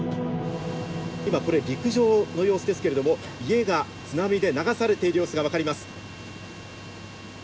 今これ陸上の様子ですけれども家が津波で流されている様子が分かります。